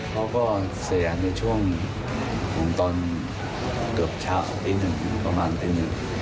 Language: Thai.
เขาก็เสียในช่วงของตอนเกือบเช้าตีหนึ่งประมาณตีหนึ่ง